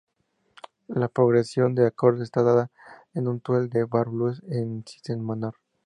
La progresión de acordes está dada en un "twelve bar blues", en Si menor.